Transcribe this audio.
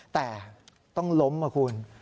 แต่ต้องล้มนะคุณ